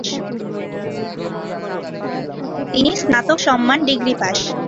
তিনি স্নাতক সম্মান ডিগ্রি পাশ।